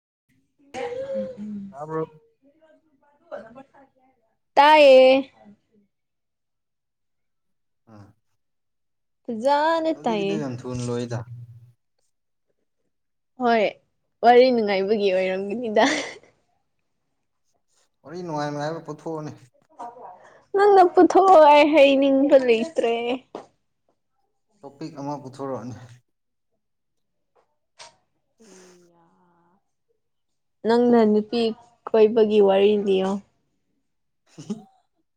[unintelligible] ꯇꯥꯕ꯭ꯔꯣ ꯇꯥꯌꯦ ꯑꯥ ꯌꯥꯅ ꯇꯥꯏꯌꯦ ꯂꯣꯏꯗ ꯍꯣꯏ ꯋꯥꯔꯤ ꯅꯨꯡꯉꯥꯏꯕꯒꯤ ꯑꯣꯏꯔꯝꯒꯅꯤꯗ ꯋꯥꯔꯤ ꯅꯨꯡꯉꯥꯏ ꯅꯨꯡꯉꯥꯏꯕ ꯄꯨꯊꯣꯛꯑꯅꯤ ꯅꯪꯅ ꯄꯨꯊꯣꯛꯑꯣ ꯍꯩꯅꯤꯡꯕ ꯂꯩꯇ꯭ꯔꯦ ꯇꯣꯄꯤꯛ ꯑꯃ ꯄꯨꯊꯣꯔꯛꯑꯅꯤ ꯀ꯭ꯔꯤꯔꯥ ꯅꯪꯅ ꯅꯨꯄꯤ ꯀꯣꯏꯕꯒꯤ ꯋꯥꯔꯤ ꯂꯤꯌꯣ [unintelligible]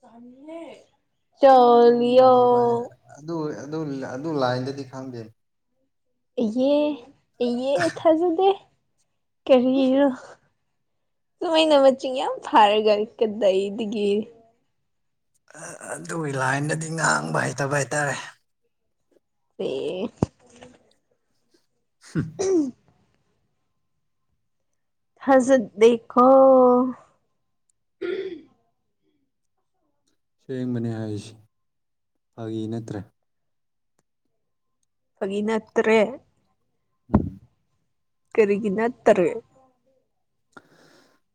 ꯀꯝꯅꯦ ꯑꯗꯨꯃꯅꯤ ꯚꯥꯏ ꯑꯗꯨ ꯑꯗꯨ ꯂꯥꯏꯟꯗꯗꯤ ꯈꯪꯗꯦ ꯌꯦ ꯌꯦ ꯊꯥꯖꯗꯦ ꯀꯔꯤꯔ ꯁꯨꯃꯥꯏꯅ ꯃ ꯆꯤꯡ ꯌꯥꯝ ꯐꯔꯒ ꯀꯗꯩꯗꯤꯒ ꯑꯗꯨꯒꯤ ꯂꯥꯏꯟꯗꯗꯤ ꯉꯥꯡꯕ ꯍꯩꯇꯕ ꯍꯥꯏꯇꯥꯔꯦ ꯍ ꯍꯝ ꯊꯖꯥꯗ‌ꯦꯀ‌ꯣ ꯁꯦꯡꯕꯅꯦ ꯍꯥꯏꯁꯤ ꯐꯥꯒꯤ ꯅꯠꯇ꯭ꯔꯦ ꯐꯒꯤꯅꯠꯇ꯭ꯔꯦ ꯎꯝ ꯀꯔꯤꯒꯤꯅ ꯅꯠꯇꯔꯦ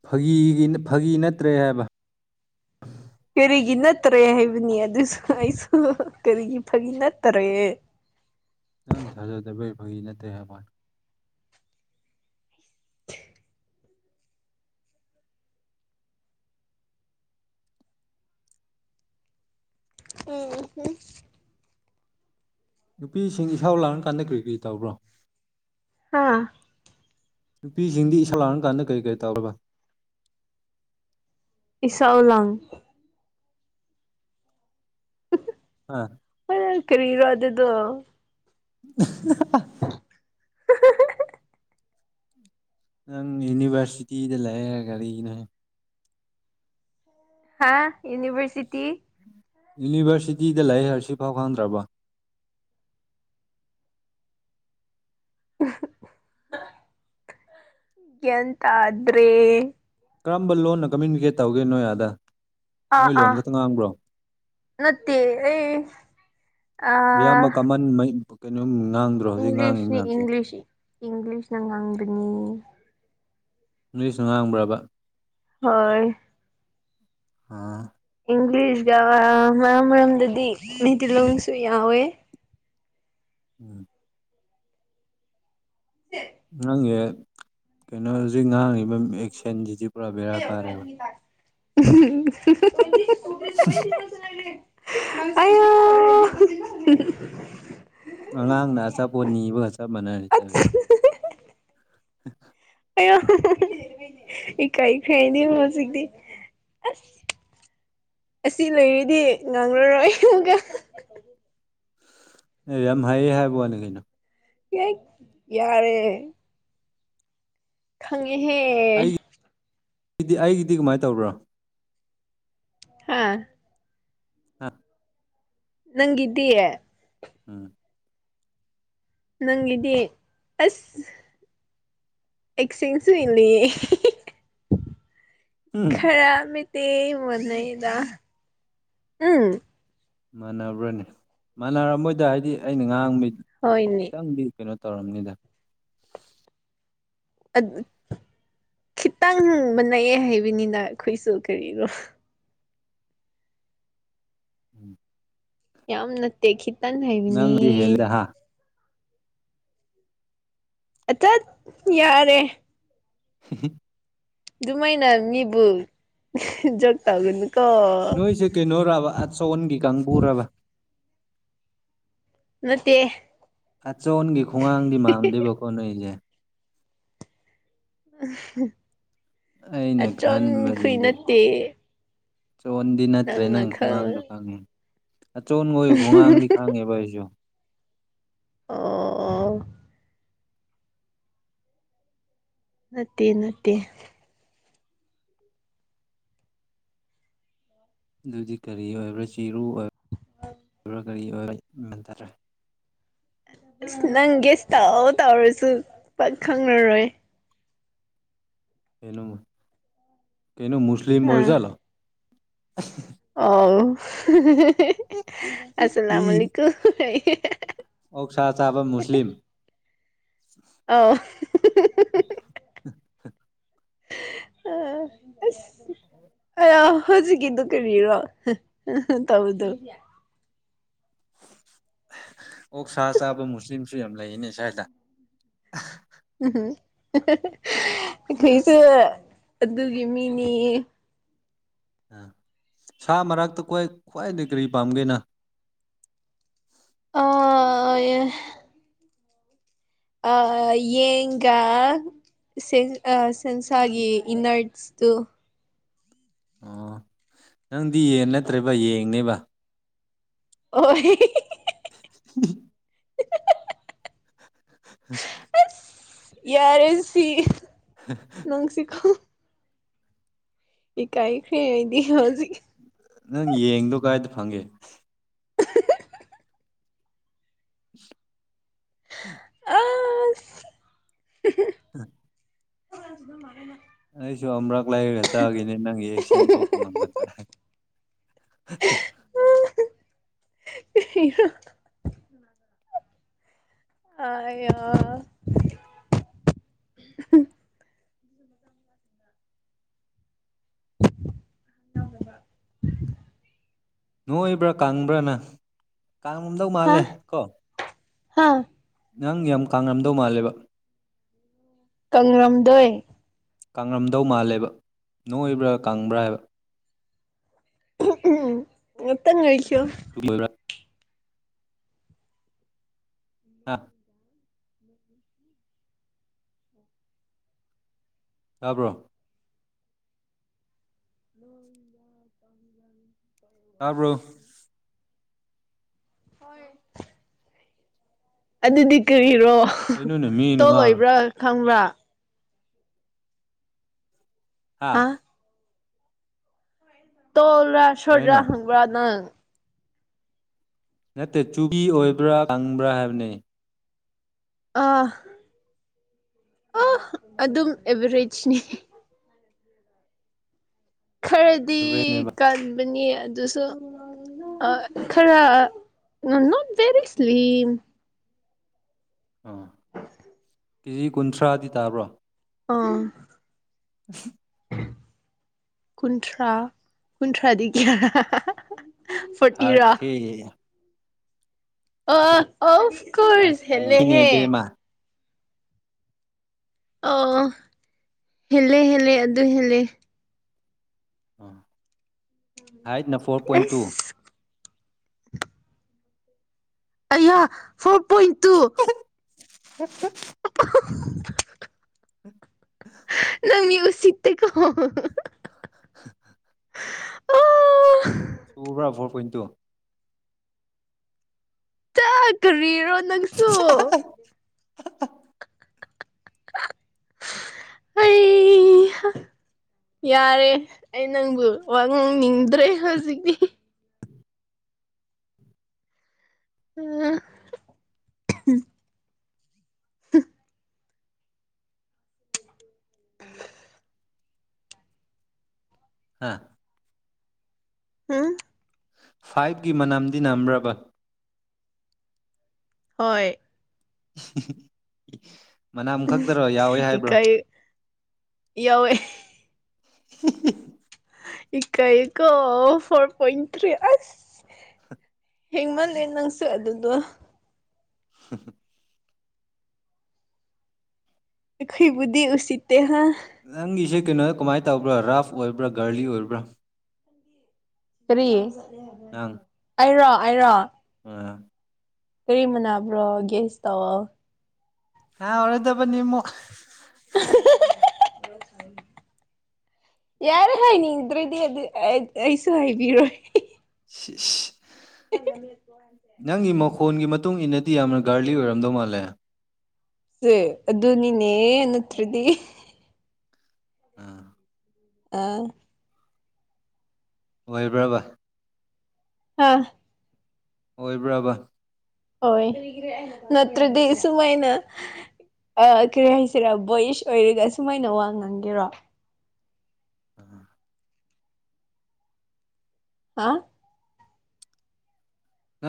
ꯐꯥꯒꯤ ꯐꯥꯒꯤ ꯅꯠꯇ꯭ꯔꯦ ꯍꯥꯏꯕ ꯀꯔꯤꯒꯤ ꯅꯠꯇꯔꯦ ꯍꯥꯏꯕꯅꯤ ꯑꯗꯨꯁꯨ ꯑꯩꯁꯨ ꯀꯔꯤꯒꯤ ꯐꯒꯤ ꯅꯠꯇꯔꯦ ꯅꯪ ꯊꯥꯖꯗꯕꯩ ꯐꯒꯤ ꯅꯠꯇ‌ꯦ ꯍꯥꯏꯕꯩ ꯋꯥꯅꯤ ꯎ ꯍꯣ [unintelligible] [inaudible] ꯅꯨꯄꯤꯁꯤꯡ ꯏꯁꯥꯎ ꯂꯥꯡꯔ ꯀꯥꯟꯗ ꯀꯔꯤ ꯀꯔꯤ ꯇꯧꯕ꯭ꯔꯣ ꯍꯥꯥ [unintelligible] [inaudible] ꯅꯨꯄꯤꯁꯤꯡꯗꯤ ꯏꯁꯥꯎ ꯂꯥꯡꯔꯝꯀꯥꯟꯗ ꯀꯔꯤ ꯀꯔꯤ ꯇꯧꯒ ꯏꯁꯧ ꯂꯥꯡ ꯑꯥ [inaudible] ꯀꯔꯤꯔ ꯋꯥ ꯑꯗꯨꯗꯣ [unintelligible] [unintelligible] ꯅꯪ ꯌꯨꯅꯤꯚꯔꯁꯤꯇꯤꯗ ꯂꯩꯔꯔ ꯒꯥꯔꯤꯒꯤꯅꯍ ꯍꯥ ꯌꯨꯅꯤꯚꯔꯁꯤꯇꯤ ꯌꯨꯅꯤꯚꯔꯁꯤꯇꯤꯗ ꯂꯥꯏꯔꯤꯛ ꯍꯔꯁꯤ ꯐꯥꯎꯍꯍꯟꯗ꯭ꯔꯕ ꯌꯟꯇꯥ꯭ꯔꯦ ꯀꯔꯝꯕ ꯂꯣꯟꯅ ꯀꯝꯃ꯭ꯌꯨꯅꯤꯀꯦꯠ ꯇꯧꯒꯦ ꯅꯣꯏ ꯑꯥꯗ ꯅꯣꯏ ꯑꯥ ꯂꯣꯟ ꯑꯥ ꯈꯛꯇ ꯉꯥꯡꯕ꯭ꯔꯣ ꯅꯠꯇꯦ ꯑꯩ ꯑ ꯑꯌꯥꯝꯕ ꯀꯃꯟ ꯀꯩꯅꯣꯝ ꯉꯥꯡꯗ꯭ꯔꯣ ꯍꯧꯖꯤꯛ ꯉꯥꯡꯉꯤ ꯃꯌꯥꯝꯁꯦ ꯏꯪꯂꯤꯁ ꯅꯪ ꯍꯥꯡꯕꯅꯤ ꯅꯣꯏꯁꯨ ꯉꯥꯡꯕ꯭ꯔꯕ ꯍꯣꯏ ꯑꯥ [unintelligible] ꯏꯪꯂꯤꯁ ꯃꯔꯝ ꯃꯔꯝꯗꯗꯤ ꯇꯤꯂꯣꯡꯁꯨ ꯌꯥꯎꯋꯦ ꯎꯝ [inaudible] ꯅꯪꯒꯤ ꯀꯩꯅꯣ ꯍꯧꯖꯤꯛ ꯉꯥꯡꯉꯤꯕ ꯑꯦꯛꯁꯦꯟꯁꯤꯗꯤ ꯄꯨꯔꯥ ꯕꯦꯔꯥ ꯀꯥꯔꯦꯕ ꯑ [unintelligible] [unintelligible] ꯑꯉꯥꯡꯅ ꯑꯆꯥꯄꯣꯠ ꯅꯤꯕꯒ ꯆꯞ ꯃꯥꯟꯅꯔꯦ ꯑꯁ ꯇꯧꯔꯤꯁꯦ [unintelligible] ꯑ [inaudible] ꯏꯀꯥꯏ ꯏꯈꯩ ꯍꯥꯏꯅꯦ ꯍꯧꯖꯤꯛꯇꯤ ꯑꯁ ꯑꯁꯤ ꯂꯩꯏꯔꯗꯤ ꯉꯥꯡꯂꯔꯣꯏ ꯑꯃꯨꯛꯀ ꯑꯦ ꯌꯥꯝ ꯍꯥꯏꯌꯦ ꯍꯥꯏꯕ ꯋꯥꯅꯤ ꯀꯩꯅꯣ ꯀꯏ ꯌꯥꯔꯦ ꯈꯪꯉꯦꯍꯦ ꯗꯤ ꯑꯩꯒꯤꯗꯤ ꯀꯃꯥꯏꯅ ꯇꯧꯕ꯭ꯔꯥ ꯍꯥꯥ ꯍꯥ ꯅꯪꯒꯤꯗꯤ ꯎꯝ ꯅꯪꯒꯤꯗꯤ ꯑꯁ ꯑꯦꯛꯁꯆꯦꯟꯁꯨ ꯏꯜꯂꯤ ꯎꯝ ꯈꯔꯇꯩ ꯃꯅꯩꯗ ꯎꯝ ꯃꯥꯟꯅꯕ꯭ꯔꯅꯤ ꯃꯥꯟꯅꯔ ꯃꯣꯏꯗ ꯍꯥꯏꯗꯤ ꯑꯩꯅ ꯉꯍꯥꯡꯕꯩ ꯍꯣꯏꯅꯦ ꯈꯤꯇꯪꯗꯤ ꯀꯩꯅꯣ ꯇꯧꯔꯝꯅꯤꯗ ꯑꯗꯨ ꯈꯤꯇꯪ ꯃꯅꯛꯑꯦ ꯍꯥꯏꯕꯅꯤꯅ ꯑꯩꯈꯣꯏꯁꯨ ꯀꯔꯤꯅꯣ ꯎꯝ ꯌꯥꯝ ꯅꯠꯇꯦ ꯈꯤꯇꯟ ꯅꯪꯗꯤ ꯍꯥꯏꯕꯤꯅꯤ ꯍꯦꯜꯂꯦ ꯍꯥ ꯑ ꯆꯠ ꯌꯥꯔꯦ [unintelligible] ꯑꯗꯨꯃꯥꯏꯅ ꯃꯤꯕꯨ ꯖ ꯇꯥꯒ ꯅꯣꯏꯁꯦ ꯀꯩꯅꯣꯔꯕ ꯑꯥꯠ ꯁꯟꯒꯤ ꯀꯥꯡꯕꯨꯔꯕ ꯃꯠꯇꯦ ꯑꯆꯣꯟꯒꯤ ꯈꯣꯡꯒꯥꯡꯗꯤ ꯃꯝꯗꯦꯕꯀꯣ ꯅꯣꯏꯁꯦ ꯑꯩꯅ ꯑꯆꯝ ꯀꯨꯏ ꯈꯟꯕꯗꯗꯤ ꯅꯠꯇꯦ ꯆꯣꯟꯗꯤ ꯅꯠꯇ꯭ꯔꯦ ꯅꯪꯅ ꯅꯪ ꯈꯪ ꯈꯣꯡꯒꯥꯡꯗ ꯐꯪꯉꯦ ꯑꯆꯣꯟꯕꯣꯏ ꯈꯣꯡꯒꯥꯡꯗꯤ ꯈꯪꯉꯦꯕ ꯑꯩꯁꯨ ꯑꯣ ꯅꯠꯇꯦ ꯅꯠꯇꯦ ꯑꯗꯨꯗꯤ ꯀꯔꯤ ꯑꯣꯏꯕ꯭ꯔꯥ ꯆꯦꯔꯨ ꯑꯣꯏꯕꯕ ꯀꯔꯤ ꯑꯣꯏꯕ ꯇꯔꯦ ꯑꯁ ꯅꯪ ꯒꯦꯁ ꯇꯥꯎꯑꯣ ꯇꯥꯎꯔꯁꯨ ꯄꯛ ꯈꯪꯂꯉꯔꯣꯏ ꯀꯩꯅ ꯀꯩꯅꯣ ꯃꯁꯂꯤꯝ ꯑꯣꯏꯖꯂ ꯑꯣ ꯑꯁꯂꯝꯀꯨꯨꯝ ꯑꯣꯛ ꯁꯥꯥ ꯆꯥꯕ ꯃꯨꯁꯂꯤꯝ ꯑꯧ [inaudible] [inaudible] ꯑ ꯑꯁ ꯑ ꯍꯧꯖꯤꯛꯀꯤꯗꯨꯣ ꯀꯔꯤꯔꯣ ꯇꯗ ꯑꯣꯛ ꯁꯥ ꯆꯥꯕ ꯃꯨꯁꯂꯤꯝꯁꯨ ꯌꯥꯝ ꯂꯩꯅꯦ ꯁ꯭ꯋꯥꯏꯗ ꯎꯝ ꯀꯁꯨ ꯑꯗꯨꯒꯤ ꯃꯤꯅꯤ ꯁꯥ ꯃꯔꯛꯇ ꯈ꯭ꯋꯥꯏꯗꯒꯤ ꯀꯔꯤ ꯄꯥꯝꯒꯦꯅ ꯑ ꯑ ꯌꯦꯉ ꯒ ꯁꯦ ꯑ ꯁꯦꯦꯟꯁꯒꯤ ꯏꯟꯅꯠꯁꯗꯨ ꯑꯣ ꯅꯪꯗꯤ ꯌꯦꯟ ꯅꯠꯇ꯭ꯔꯦꯕ ꯌꯦꯡꯅꯦꯕ ꯑꯣ [inaudible] [unintelligible] [unintelligible] ꯌꯥꯔ ꯁꯤ ꯅꯪꯁꯤ ꯀꯣ ꯏꯀꯥꯏ ꯈꯗꯤ ꯍꯥꯏꯖꯤꯛ ꯗꯥꯪꯒꯦ [unintelligible] ꯑ ꯍꯂ [inaudible] [inaudible] ꯑꯩꯁꯨ꯭ ꯑꯃꯨꯔꯛ ꯂꯩꯔꯒ ꯆꯥꯈꯤꯅꯤ ꯅꯪꯒꯤ ꯑꯦꯛꯁꯦꯟ ꯊꯣꯛꯄ ꯉꯝꯒꯗ꯭ꯔꯦ [unintelligible] ꯑꯥ ꯌꯥ [inaudible] ꯅꯣꯏꯕ꯭ꯔꯥ ꯀꯪꯕ꯭ꯔꯥ ꯅꯪ ꯀꯥꯡꯔꯨꯝꯝꯗꯧ ꯍꯥ ꯃꯥꯜꯂꯦ ꯀꯣ ꯍꯥ ꯅꯪ ꯌꯥꯝ ꯀꯔꯝꯗꯧ ꯃꯥꯜꯂꯦ ꯀꯪꯒ꯭ꯔꯝꯗꯣꯏ ꯀꯪꯉꯝꯗꯧ ꯃꯥꯜꯂꯦꯕ ꯅꯣꯏꯕ꯭ꯔꯥ ꯀꯪꯕ꯭ꯔꯥ ꯍꯥꯏꯕ ꯎꯝ ꯃꯠꯇꯪ ꯀ [unintelligible] ꯍꯥꯥ ꯇꯥꯕ꯭ꯔꯣ ꯇꯥꯕ꯭ꯔꯣ [inaudible] ꯑꯗꯨꯗꯗꯤ ꯀꯔꯦ ꯀꯩꯅꯣꯅꯦ ꯃꯤꯅ ꯉꯥꯡ ꯇꯣꯂꯣꯏꯕ꯭ꯔꯥ ꯈꯪꯕ꯭ꯔꯥ ꯍꯥꯥ ꯍꯥ ꯇꯣꯜ꯭ꯔꯥ ꯁꯨꯔꯗ꯭ꯔꯥ ꯀꯩꯅꯣ ꯍꯪꯕ꯭ꯔꯥ ꯅꯪ ꯅꯠꯇꯦ ꯆꯨꯕꯤ ꯑꯣꯏꯕ꯭ꯔꯥ ꯀꯪꯕ꯭ꯔꯥ ꯍꯥꯏꯕꯅꯤ ꯑꯥ ꯑ ꯑꯗꯨꯝ ꯑꯦꯚꯔꯦꯖꯅꯤ ꯈꯔꯗꯤ ꯑꯦꯚꯔꯦꯖꯅꯦꯕ ꯀꯟꯕꯅꯤ ꯑꯗꯨꯁꯨ ꯑ ꯈꯔ ꯅꯣꯠ ꯚꯦꯔꯤ ꯁ꯭ꯂꯤꯝ ꯑꯥ ꯀꯦꯖꯤ ꯀꯨꯟꯊ꯭ꯔꯥꯗꯤ ꯇꯥꯕ꯭ꯔꯣ ꯑꯥ ꯑ ꯀꯨꯟꯊ꯭ꯔꯥ ꯀꯨꯟꯊ꯭ꯔꯥꯗꯤꯒꯌꯥ ꯊ꯭ꯥꯔꯇꯤ ꯑ ꯑꯣꯐ ꯀꯣꯁ ꯊꯥꯔꯇꯤꯅꯦ ꯍꯦꯜꯂ‌ꯦꯍꯦ ꯏꯕꯦꯝꯃ ꯑꯣ ꯍꯦꯜꯂꯦ ꯍꯦꯜꯂꯦ ꯑꯗꯨ ꯍꯦꯜꯂꯦ ꯑ ꯍꯥꯏꯠꯅ ꯐꯣꯔ ꯄꯣꯏꯟ ꯇꯨ ꯑꯁ ꯑꯌꯥ ꯐꯣꯔ ꯄꯣꯏꯟ ꯇꯨ ꯍꯠ [unintelligible] [unintelligible] ꯅꯪꯃꯤ ꯑꯣ ꯁꯤꯠꯇ‌ꯦ ꯀꯣ ꯑ ꯁꯨꯕ꯭ꯔꯥ ꯐꯣꯔ ꯄꯣꯏꯟ ꯇꯨ ꯆꯠ ꯀꯔꯤꯔꯣ ꯅꯪꯁꯨ ꯑꯩ [inaudible] ꯌꯥꯔꯦ ꯑꯩ ꯅꯪꯕꯨ ꯋꯥ ꯉꯥꯡꯅꯤꯡꯗ꯭ꯔꯦ ꯍꯧꯖꯤꯛꯇꯤ ꯑ ꯍꯝ ꯑꯝ ꯍꯥꯥ ꯍꯥꯝ ꯐꯥꯏꯚꯀꯤ ꯃꯅꯝꯗꯤ ꯅꯝꯕ꯭ꯔꯕ ꯍꯣꯏ [unintelligible] ꯃꯅꯥꯝ ꯈꯛꯇꯔꯣ ꯌꯥꯎꯋꯦ ꯍꯥꯏꯕ꯭ꯔꯣ ꯏꯀꯥꯏ ꯌꯥꯎꯋꯦ [unintelligible] ꯏꯀꯥꯏꯀꯣ ꯐꯣꯔ ꯄꯣꯏꯟ ꯊ꯭ꯔꯤ ꯑꯁ ꯍꯡꯃꯜꯂ‌ꯦ ꯅꯪꯁ ꯑꯗꯨꯗ‌ꯣ [unintelligible] ꯈꯣꯏꯕꯨꯗꯤ ꯎ ꯎꯆꯠꯇ ꯍꯥ ꯅꯪꯒꯤꯁꯦ ꯀꯩꯅꯣꯗ ꯀꯃꯥꯏꯅ ꯇꯧꯕ꯭ꯔꯥ ꯔꯥꯐ ꯑꯣꯏꯕ꯭ꯔꯥ ꯒꯥꯔꯂꯤ ꯑꯣꯏꯕ꯭ꯔꯥ ꯀꯔꯤ ꯑꯩꯔꯣ ꯑꯩꯔꯣ ꯑ ꯀꯔꯤꯃꯅꯥꯕ꯭ꯔꯣꯒꯦꯁ ꯇꯧꯋ‌ꯣ ꯍꯥꯎꯔꯗꯕꯅꯤ [unintelligible] ꯌꯥꯔꯦ ꯍꯥꯏꯅꯤꯡꯗ꯭ꯔꯗꯤ ꯑꯗꯨ ꯑꯩꯁꯨ ꯍꯥꯏꯕꯤꯔꯣꯏ ꯁꯤꯁ [unintelligible] ꯐꯣꯟꯒꯤ ꯃꯇꯨꯡ ꯏꯟꯅꯗꯤ ꯌꯥꯝꯅ ꯒꯥꯔꯂꯤ ꯑꯣꯏꯔꯝꯗꯧ ꯃꯥꯜꯂꯦ ꯁꯦ ꯑꯗꯨꯅꯤꯅꯦ ꯅꯠꯇ꯭ꯔꯗꯤ ꯑ ꯑꯥ ꯑꯣꯏꯕ꯭ꯔꯕ ꯑꯥ ꯑꯣꯏꯕ꯭ꯔꯕ ꯍꯣꯏ ꯅꯠꯇ꯭ꯔꯗꯤꯁꯨꯃꯥꯏꯅ ꯑ ꯀꯔꯤ ꯍꯥꯏꯁꯤꯔꯥ ꯕꯣꯣꯏꯁ ꯑꯣꯏꯔꯒ ꯁꯨꯃꯥꯏꯅ ꯋꯥ ꯉꯥꯡꯒꯦꯔꯣ ꯍꯥ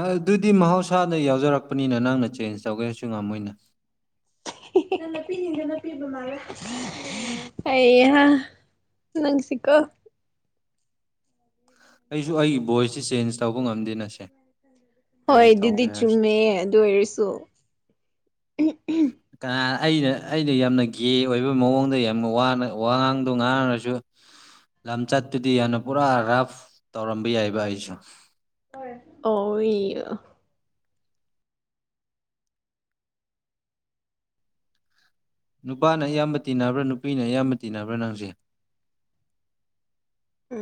ꯑꯗꯨꯗꯤ ꯃꯍꯧꯁꯥꯅ ꯌꯥꯎꯖꯔꯛꯄꯅꯤꯅ ꯅꯪꯅ ꯆꯦꯟꯖ ꯇꯧꯒꯦꯁꯨ ꯉꯝꯃꯣꯏꯅ ꯄꯤꯅꯄꯤꯃ ꯑꯩꯍ ꯅꯪꯁꯤꯀꯣ ꯑꯩꯁꯨ ꯑꯩꯒꯤ ꯚꯣꯏꯁꯁ ꯆꯦꯟꯖ ꯇꯧꯕ ꯉꯝꯗꯦ ꯅꯁꯦ ꯍꯣꯏ ꯑꯗꯨꯗꯤ ꯆꯨꯝꯃꯦ ꯑꯗꯨ ꯑꯣꯏꯔꯁꯨ ꯀꯅꯥ ꯑꯩꯅ ꯑꯩꯅ ꯌꯥꯝꯅ ꯒꯦ ꯑꯣꯏꯕ ꯃꯑꯣꯡꯗ ꯌꯥꯝꯅꯅ ꯋꯥ ꯉꯥꯡꯗꯣ ꯉꯥꯡꯉꯔꯁꯨ ꯂꯝꯆꯠꯇꯨꯗꯤ ꯌꯥꯝꯅ ꯄꯨꯔꯥ ꯔꯐ ꯇꯧꯔꯝꯕ ꯌꯥꯏꯕ ꯑꯩꯁꯨ ꯑꯣ ꯍ ꯅꯨꯄꯥꯅ ꯑꯌꯥꯝꯕ ꯇꯤꯟꯅꯕ꯭ꯔꯥ ꯅꯨꯄꯤꯅ ꯑꯌꯥꯝꯕ ꯇꯤꯟꯅꯕ꯭ꯔꯥ ꯅꯪꯁꯦ ꯑ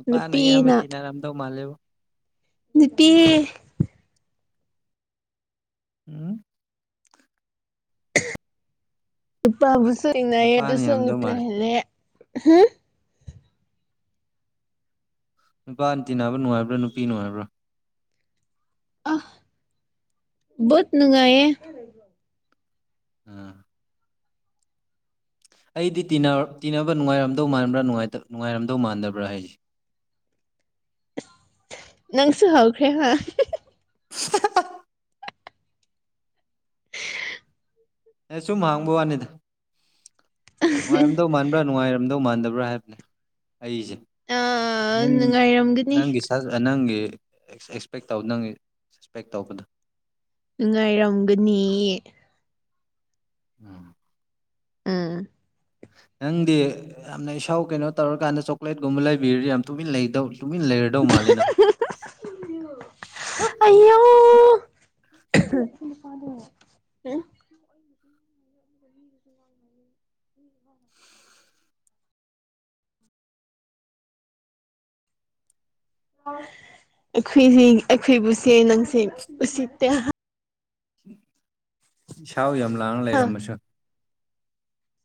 ꯎꯄꯥꯅ ꯏꯌꯥꯝꯕ ꯊꯤꯅꯔꯝꯗꯧ ꯃꯥꯜꯂꯦꯕ ꯅꯨꯄꯤꯤ ꯎꯝ ꯏ ꯄꯥꯕꯨ ꯁꯨꯏꯅꯏ ꯑꯗꯨ ꯑꯗꯨ ꯅꯨꯄꯥꯅ ꯌꯥꯝꯔꯝꯗꯧ ꯃꯥꯜꯂꯦ ꯁꯨꯉꯇꯂꯦ ꯍꯥ ꯅꯨꯄꯥ ꯇꯤ ꯅꯥꯕ ꯅꯨꯡꯉꯥꯏꯕ꯭ꯔꯥ ꯅꯨꯄꯤ ꯅꯨꯡꯉꯥꯏꯕ꯭ꯔꯥ ꯑ ꯣꯠ ꯅꯨꯡꯉꯥꯏꯌꯦꯦ ꯎꯝ ꯑꯩꯗꯤ ꯇꯤꯟꯅꯕ ꯅꯨꯡꯉꯥꯏꯔꯝꯗꯧ ꯃꯥꯟꯕ꯭ꯔꯥ ꯅꯨꯡꯉꯥꯏꯔꯝꯗꯧ ꯃꯥꯟꯗꯕ꯭ꯔꯥ ꯍꯥꯏꯁ [unintelligible] ꯅꯪꯁꯨ ꯍꯧꯥꯎꯈ꯭ꯔꯦ ꯍꯥ [unintelligible] ꯑꯦ ꯁꯨꯝ ꯍꯥꯡꯕ ꯋꯥꯅꯤꯗ ꯅꯨꯡꯉꯥꯏꯔꯝꯗꯧ ꯃꯥꯟꯕ꯭ꯔꯥ ꯅꯨꯡꯉꯥꯏꯔꯝꯗ ꯀꯗꯧ ꯃꯥꯟꯗꯕ꯭ꯔꯥ ꯍꯥꯏꯕꯅꯦ ꯑꯩꯁꯦ ꯑ ꯅꯪ ꯅꯨꯡꯉꯥꯏꯔꯝꯒꯅꯤ ꯅꯪꯒꯤ ꯅꯪꯒꯤ ꯑꯦꯛꯁꯄꯦꯛ ꯇꯧ ꯅꯪ ꯑꯦꯛꯁꯄꯦꯛ ꯇꯧꯕꯗꯣ ꯅꯨꯡꯉꯥꯏꯔꯝꯒꯅꯤ ꯎꯝ ꯎꯝ ꯅꯪꯗꯤ ꯌꯥꯝꯅ ꯏꯁꯥꯎ ꯀꯩꯅꯣ ꯇꯧꯔꯀꯥꯟꯗ ꯆꯣꯀ꯭ꯂꯦꯠꯀꯨꯝꯕ ꯂꯩꯕꯤꯔꯗꯤ ꯌꯥꯝ ꯇꯨꯃꯤꯟ ꯂꯩꯗꯧ ꯇꯨꯃꯤ ꯂꯩꯔꯗꯧ ꯃꯥꯂꯅ ꯑꯌꯣ [inaudible] ꯑꯩꯈꯣꯏ ꯑꯩꯈꯣꯏ ꯄꯨꯁꯤ ꯅꯪꯁꯦ ꯎꯁꯤꯠꯇꯦ ꯏꯁꯥꯎ ꯌꯥꯝ ꯂꯥꯡꯅ ꯂꯩꯔꯝꯃꯁꯨ